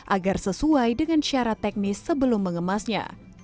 agar sesuai dengan syarat teknis sebelum mengemasnya